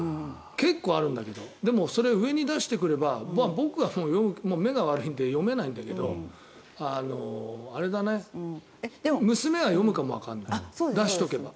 結構あるんだけどでも、それを上に出してくれば僕は目が悪いので読めないんだけど、あれだね娘は読むかもわからない出しておけば。